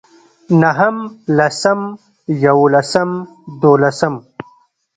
نهم لسم يولسم دولسم